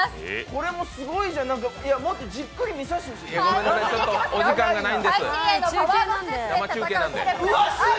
これもすごいじゃん、もっとじっくり見させてほしい。